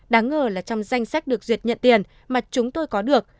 đáng ngờ là trong danh sách được duyệt nhận tiền mà chúng tôi có được